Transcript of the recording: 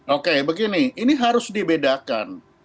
oke begini ini harus dibedakan